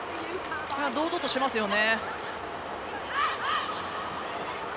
堂々としていますよね。